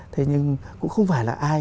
thế nhưng cũng không phải là ai